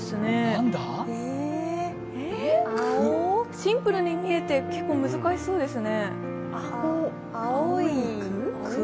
シンプルに見えて、結構難しそうですね。